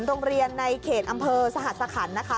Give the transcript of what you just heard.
โรงเรียนในเขตอำเภอสหัสคันนะคะ